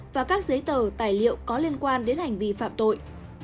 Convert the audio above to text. và các giấy tờ tài liệu có liên quan đến hành vi phạm tội